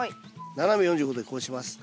斜め４５度でこうします。